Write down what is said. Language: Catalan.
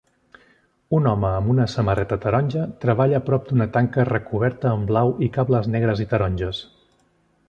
Un home amb una samarreta taronja treballa prop d'una tanca recoberta amb blau i cables negres i taronges.